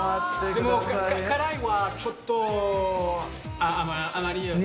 でも辛いはちょっと、あまり。